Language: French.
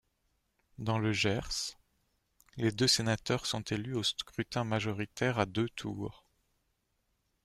Dans le Gers, les deux sénateurs sont élus au scrutin majoritaire à deux tours.